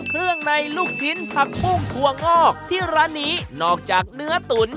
ในลูกชิ้นผักปุ้งถั่วงอกที่ร้านนี้นอกจากเนื้อตุ๋น